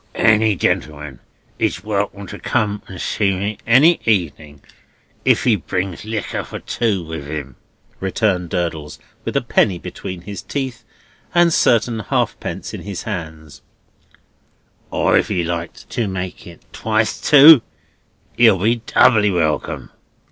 "Any gentleman is welcome to come and see me any evening if he brings liquor for two with him," returned Durdles, with a penny between his teeth and certain halfpence in his hands; "or if he likes to make it twice two, he'll be doubly welcome."